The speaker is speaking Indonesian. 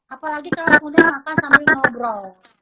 apalagi kalau kemudian makan sambil ngobrol